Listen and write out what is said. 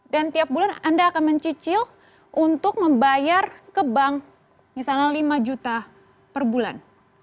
dan tiap bulan anda akan mencicil untuk membayar ke bank misalnya lima juta per bulan